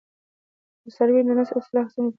د څارویو د نسل اصلاح څنګه کیږي؟